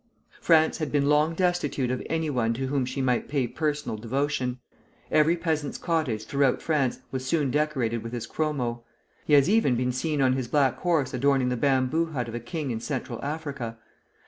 France had been long destitute of any one to whom she might pay personal devotion. Every peasant's cottage throughout France was soon decorated with his chromo. He has even been seen on his black horse adorning the bamboo hut of a king in Central Africa.